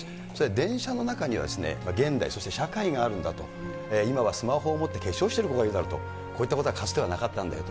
電車の中には、現代、そして社会があるんだと、今はスマホを持って化粧をしている子がいるだろうと、こういった子はかつてはなかったんだよと。